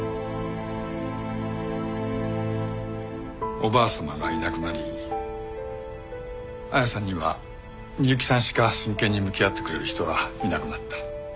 おばあさまがいなくなり亜矢さんには美雪さんしか真剣に向き合ってくれる人がいなくなった。